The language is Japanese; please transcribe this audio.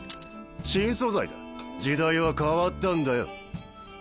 新素材だ時代は変わったんだよ。